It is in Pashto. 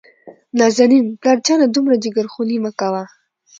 نازنين : پلار جانه دومره جګرخوني مه کوه.